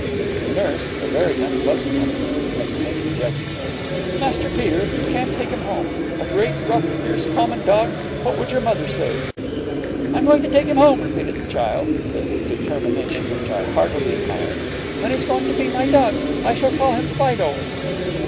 The nurse, a very unpleasant woman, had to make objections. 'Master Peter! You can't take him home, a great, rough, fierce, common dog! What would your mother say?' 'I'm going to take him home,' repeated the child, with a determination which I heartily admired, 'and he's going to be my dog. I shall call him Fido.'